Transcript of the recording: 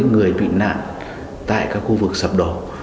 người bị nạn tại các khu vực sập đỏ